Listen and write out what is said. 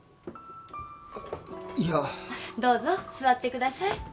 いやどうぞ座ってください